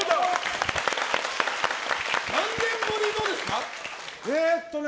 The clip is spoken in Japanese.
何年ぶりのですか？